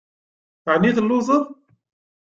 Ɛni telluẓeḍ?